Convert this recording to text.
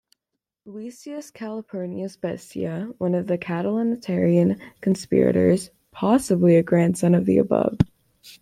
Lucius Calpurnius Bestia, one of the Catilinarian conspirators, possibly a grandson of the above.